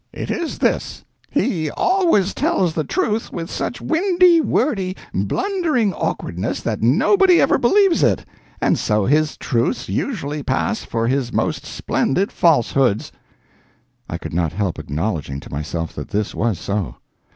It is this—he always tells the truth with such windy, wordy, blundering awkwardness that nobody ever believes it, and so his truths usually pass for his most splendid falsehoods! [I could not help acknowledging to myself that this was so.